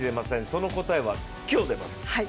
その答えは今日出ます。